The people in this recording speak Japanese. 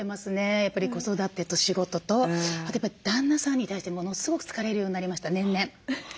やっぱり子育てと仕事とあとやっぱり旦那さんに対してものすごく疲れるようになりました年々。